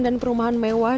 dan perumahan mewah